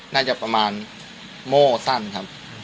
น่าจะประมาณโม่สั้นครับ